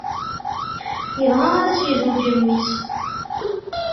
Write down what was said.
Yebɣa ad s-yezweǧ i mmi-s.